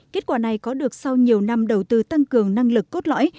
kết quả này có được sau nhiều năm đầu tư tăng cường năng lực cốt lõi